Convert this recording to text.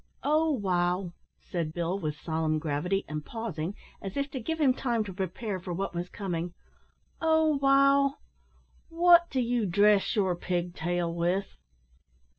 "O wow!" said Bill, with solemn gravity, and pausing, as if to give him time to prepare for what was coming. "O wow! wot do you dress your pig tail with?"